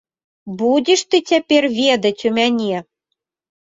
Будзеш ты цяпер ведаць у мяне.